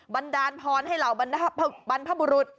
บรรดาลพรให้เหล่าบรรพบุรุษ